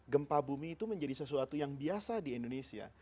gempa bumi itu menjadi sesuatu yang biasa di indonesia